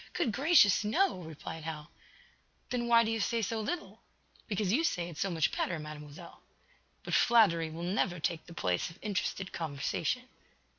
"Good gracious, no!" replied Hal. "Then why do you say so little?" "Because you say it so much better, Mademoiselle." "But flattery will never take the place of interested conversation."